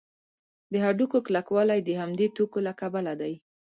د هډوکو کلکوالی د همدې توکو له کبله دی.